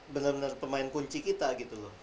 bener bener pemain kunci kita gitu loh